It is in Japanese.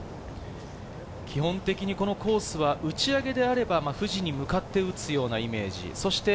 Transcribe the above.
基本的にこのコースは打ち上げであれば富士に向かって打つようなイメージ。